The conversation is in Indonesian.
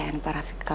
ya udah hati hati ya